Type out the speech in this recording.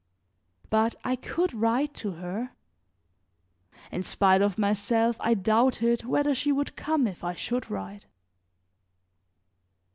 But I could write to her; in spite of myself I doubted whether she would come if I should write.